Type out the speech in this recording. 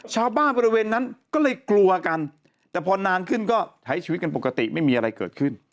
ชาวบ้านออกบริเวณนั้นก็เลยกลวกันแต่พนนานขึ้นสายชีวิตกันปกติไม่มีอะไรเกิดขึ้น